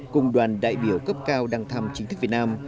cùng đoàn đại biểu cấp cao đăng thăm chính thức việt nam